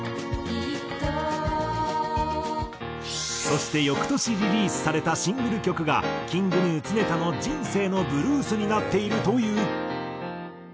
そして翌年リリースされたシングル曲がＫｉｎｇＧｎｕ常田の人生のブルースになっているという。